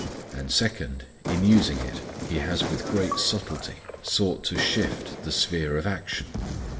And, second, in using it he has with great subtlety sought to shift the sphere of action.